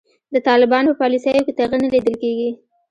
د طالبانو په پالیسیو کې تغیر نه لیدل کیږي.